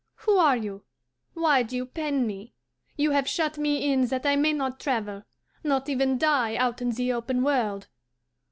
Who are you? Why do you pen me? You have shut me in that I may not travel, not even die out in the open world.